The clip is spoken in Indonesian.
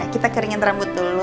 kita keringin rambut dulu